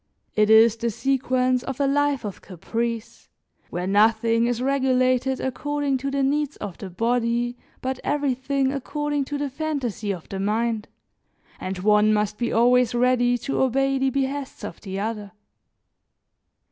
It is the sequence of a life of caprice, where nothing is regulated according to the needs of the body, but everything according to the fantasy of the mind and one must be always ready to obey the behests of the other.